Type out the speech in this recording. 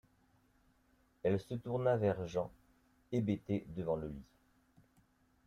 Elle se tourna vers Jean, hébété devant le lit.